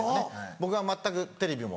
僕が全くテレビも。